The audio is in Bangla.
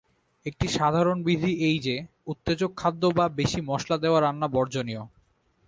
একটি সাধারণ বিধি এই যে, উত্তেজক খাদ্য বা বেশী মশলা-দেওয়া রান্না বর্জনীয়।